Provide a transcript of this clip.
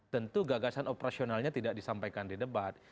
tentu gagasan operasionalnya tidak disampaikan di debat